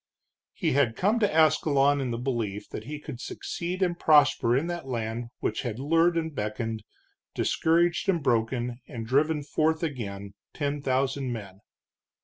He had come to Ascalon in the belief that he could succeed and prosper in that land which had lured and beckoned, discouraged and broken and driven forth again ten thousand men.